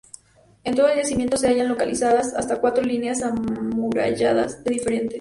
En todo el yacimiento se hayan localizadas hasta cuatro líneas amuralladas diferentes.